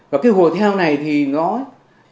và cái hùa theo này là một tổ chức nào đấy ở việt nam